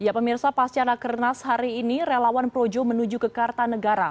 ya pemirsa pasca rakernas hari ini relawan projo menuju ke kartanegara